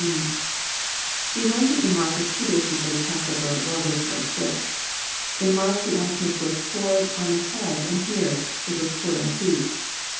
The anointing in Mark was two days before the passover, while this was six. In Mark the ointment was poured on the head, and here it was poured on the feet.